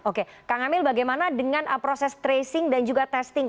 oke kang emil bagaimana dengan proses tracing dan juga testing